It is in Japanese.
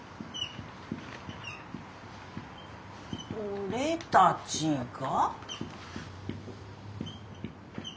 俺たちが？